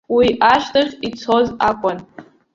Уи ашьҭахь ицоз акәын.